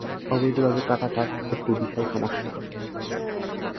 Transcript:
অবৈধভাবে কাটা কাঠ একটি বিশাল সমস্যা।